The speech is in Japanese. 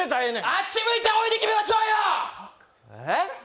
あっち向いてホイで決めましょうよ。